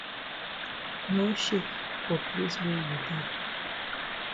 No shake for place wey you dey.